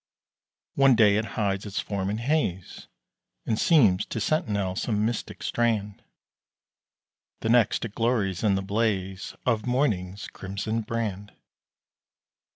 One day it hides its form in haze And seems to sentinel some mystic strand; The next, it glories in the blaze Of morning's crimson brand.